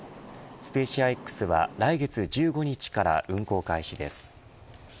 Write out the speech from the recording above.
スペーシアＸは、来月１５日から運行開始です。